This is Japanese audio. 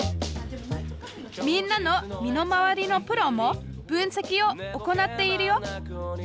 みんなの身の回りのプロも分析を行っているよ。